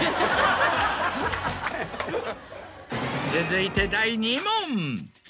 続いて第２問。